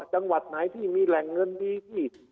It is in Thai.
จังหวัดไหนที่มีแหล่งเงินดีที่